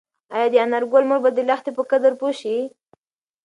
ایا د انارګل مور به د لښتې په قدر پوه شي؟